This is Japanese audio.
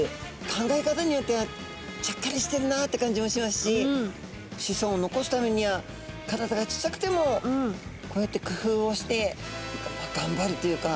考え方によってはちゃっかりしてるなって感じもしますし子孫を残すためには体が小さくてもこうやってくふうをしてがんばるというか。